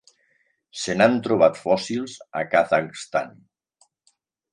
Se n'han trobat fòssils al Kazakhstan.